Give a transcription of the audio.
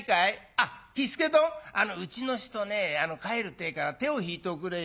あっ喜助どんうちの人ね帰るってえから手を引いておくれよ。